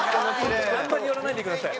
あんまり寄らないでください。